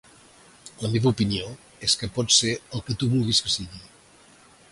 La meva opinió és que pot ser el que tu vulguis que sigui.